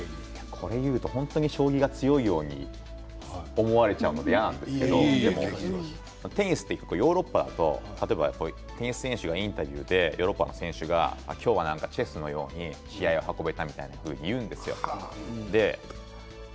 これを言うと将棋が強いように思われちゃうので嫌なんですけどテニスはヨーロッパだと例えば、他に選手がインタビューでヨーロッパの選手が今日は、チェスのように試合を運べたみたいなふうに言うんですよ。